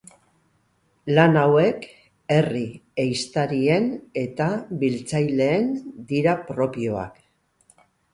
Lan hauek herri ehiztarien eta biltzaileen dira propioak.